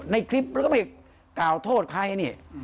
ในคลิปมันก็ไม่ได้กล่าวโทษใครนี่